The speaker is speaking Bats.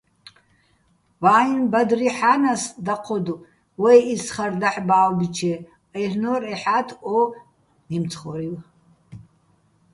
ვაიჼ ბადრი ჰ̦ა́ნას დაჴოდო̆ ვაჲ იცხარ დაჰ̦ ბა́ვბიჩე - აჲლ'ნო́რ ეჰ̦ა́თ ო მემცხო́რივ.